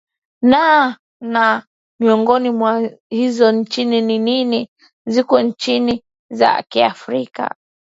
naa na miongoni mwa hizo nchini ni ni ziko nyingine nchi za kiafrika